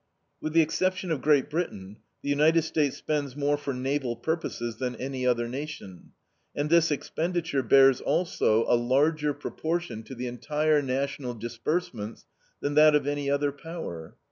With the exception of Great Britain, the United States spends more for naval purposes than any other nation, and this expenditure bears also a larger proportion to the entire national disbursements than that of any other power.